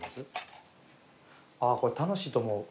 あぁこれ楽しいと思う。